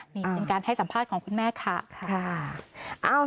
นี่เป็นการให้สัมภาษณ์ของคุณแม่ค่ะ